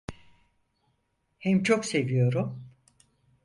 Hem çok seviyorum…